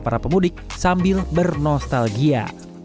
para pemudik sambil bernostalgia